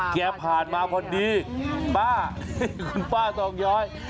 ผ่านมาพอดีป้าคุณป้าทองย้อย